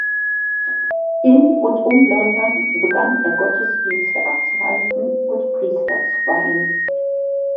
In und um London begann er Gottesdienste abzuhalten und Priester zu weihen.